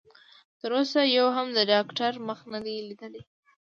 تر اوسه يوه هم د ډاکټر مخ نه دی ليدلی.